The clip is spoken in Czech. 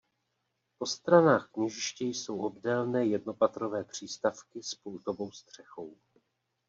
Po stranách kněžiště jsou obdélné jednopatrové přístavky s pultovou střechou.